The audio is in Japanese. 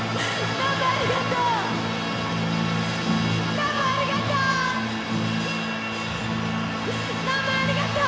どうもありがとう！